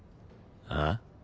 ああ！？